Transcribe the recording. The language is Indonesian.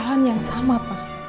kesalahan yang sama pak